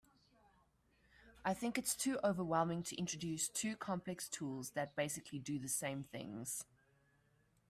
I think it’s too overwhelming to introduce two complex tools that basically do the same things.